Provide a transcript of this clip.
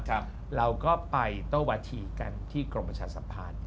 ครับเราก็ไปต้ววัฒีกันที่กรมประชาสัมพันธุ์